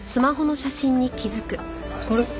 あれ？